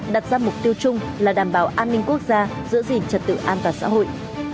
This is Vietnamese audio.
đặt ra mục tiêu chung là đảm bảo an ninh quốc gia giữ gìn trật tự an toàn xã hội